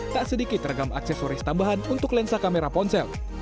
tak sedikit regam aksesoris tambahan untuk lensa kamera ponsel